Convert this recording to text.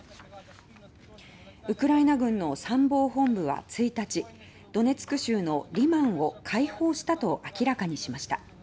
ウクライナ軍の参謀本部は１日ドネツク州のリマンを解放したと明らかにしました。